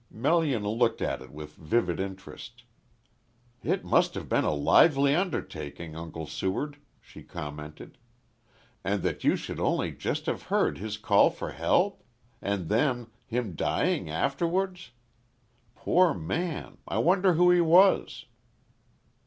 Melian looked at it with vivid interest. "It must have been a lively undertaking, Uncle Seward," she commented. "And that you should only just have heard his call for help? And then him dying afterwards. Poor man, I wonder who he was."